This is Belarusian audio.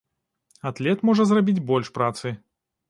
Атлет можа зрабіць больш працы.